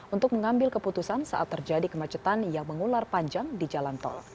untuk mengambil keputusan saat terjadi kemacetan yang mengular panjang di jalan tol